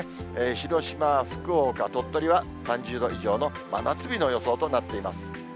広島、福岡、鳥取は３０度以上の真夏日の予想となっています。